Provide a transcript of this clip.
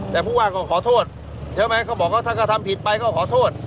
แต่ผู้ว่าก็ขอโทษใช่ไหมเขาบอกว่าถ้าเขาทำผิดไปก็ขอโทษ